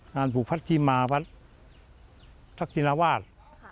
งานบุพัฒนิมาพัฒนิวาส